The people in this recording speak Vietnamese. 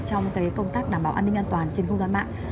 trong công tác đảm bảo an ninh an toàn trên không gian mạng